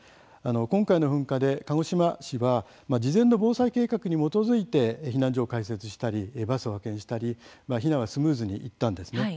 今回の噴火で鹿児島市は事前の防災計画に基づいて避難所を開設したりバスを派遣したり避難はスムーズにいったんですね。